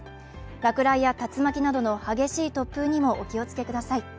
落雷や竜巻などの激しい突風にもお気をつけください。